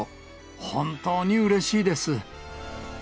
本当にうれしいです。